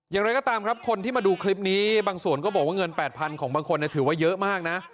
อย่างไรก็ตามครับคนที่มาดูคลิปนี้บางส่วนก็บอกว่าเงิน๘๐๐๐ของบางคนถือว่าเยอะมากนะ